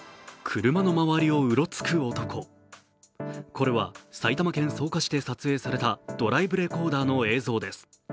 これは埼玉県草加市で撮影されたドライブレコーダーの映像です。